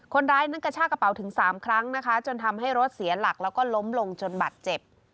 คนร้ายนั้นกระชากระเป๋าถึง๓ครั้งนะคะจนทำให้รถเสียหลักแล้วก็ล้มลงจนบัตรเจ็บ